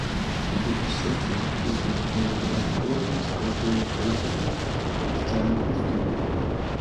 The wooden structure is designated an important cultural property by the Town of Kin.